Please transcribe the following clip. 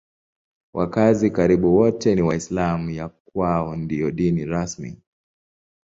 Wakazi karibu wote ni Waislamu; ya kwao ndiyo dini rasmi.